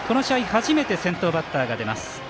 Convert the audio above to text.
初めて先頭バッターが出ます。